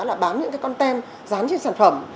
là bán những cái content dán trên sản phẩm